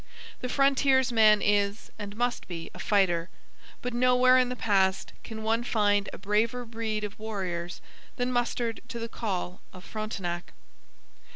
The frontiersman is, and must be, a fighter, but nowhere in the past can one find a braver breed of warriors than mustered to the call of Frontenac.